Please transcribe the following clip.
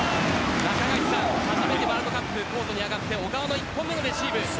中垣内さん、初めてワールドカップコートに上がって小川の１本目のレシーブ。